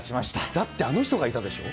だってあの人がいたでしょ。